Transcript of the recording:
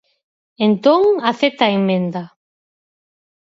Entón, acepta a emenda.